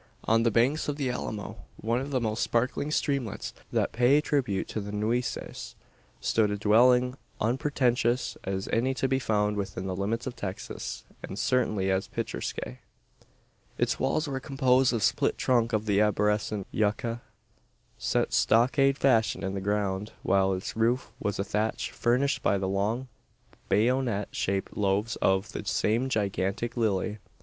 On the banks of the Alamo one of the most sparkling streamlets that pay tribute to the Nueces stood a dwelling, unpretentious as any to be found within the limits of Texas, and certainly as picturesque. Its walls were composed of split trunk of the arborescent yucca, set stockade fashion in the ground; while its roof was a thatch furnished by the long bayonet shaped loaves of the same gigantic lily.